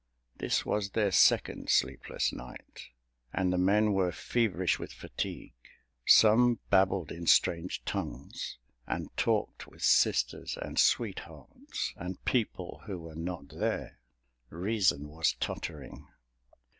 This was their second sleepless night, and the men were feverish with fatigue. Some babbled in strange tongues, and talked with sisters and sweethearts and people who were not there—reason was tottering.